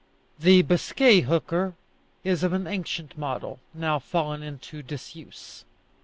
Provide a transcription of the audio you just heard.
The Biscay hooker is of an ancient model, now fallen into disuse.